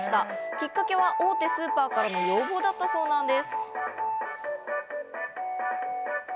きっかけは大手スーパーからの要望だったそうなんです。